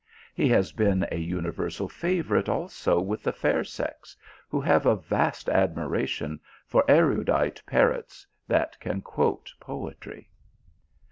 He has been a universal favourite also with the fair sex, who have a vast admiration for erudite parrots that can quote poetry."